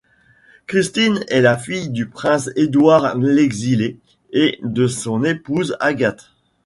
Christine est la fille du prince Édouard l'Exilé et de son épouse Agathe.